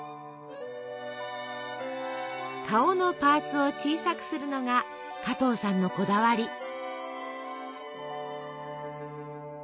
顔のパーツを小さくするのが加藤さんのこだわり。